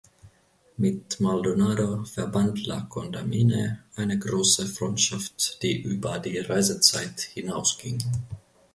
Mit Maldonado verband La Condamine eine große Freundschaft, die über die Reisezeit hinausging.